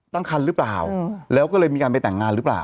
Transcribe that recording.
ตั้งคันหรือเปล่าแล้วก็เลยมีการไปแต่งงานหรือเปล่า